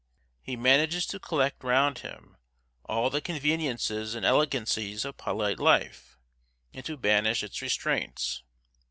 He manages to collect round him all the conveniences and elegancies of polite life, and to banish its restraints.